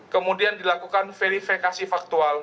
kemudian dilakukan verifikasi faktual